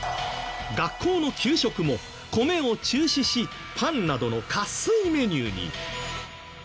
学校の給食も米を中止しパンなどの渇水メニューに。